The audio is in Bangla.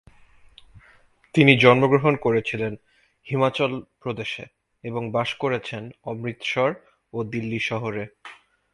তিনি জন্মগ্রহণ করেছিলেন হিমাচল প্রদেশে এবং বাস করেছেন অমৃতসর ও দিল্লি শহরে।